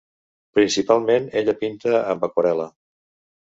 Principalment ella pinta amb aquarel·la.